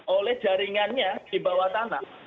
oleh jaringannya di bawah tanah